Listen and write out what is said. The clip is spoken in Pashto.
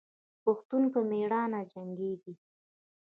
پښتون په میړانه جنګیږي.